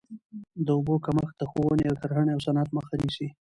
د اوبو کمښت د ښووني، کرهڼې او صنعت مخه نیسي.